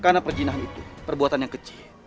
karena perjinahan itu perbuatan yang kecil